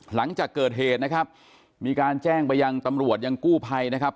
หลังจากเกิดเหตุนะครับมีการแจ้งไปยังตำรวจยังกู้ภัยนะครับ